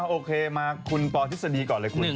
โอเคคุณปอห์ทฤษฎีก่อนเลยครับคุณ